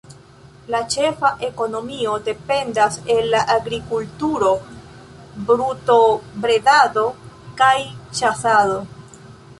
La ĉefa ekonomio dependas el la agrikulturo, brutobredado kaj ĉasado.